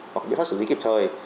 hoặc bị phát xử lý kịp thời